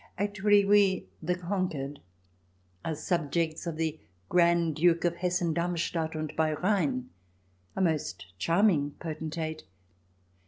Actually we, the conquered, are subjects of the Grand Duke of Hessen Darmstadt und bei Rhein, a most charming potentate.